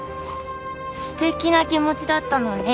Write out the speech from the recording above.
素敵な気持ちだったのに。